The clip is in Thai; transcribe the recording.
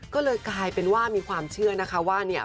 ก็เลยกลายเป็นว่ามีความเชื่อนะคะว่าเนี่ย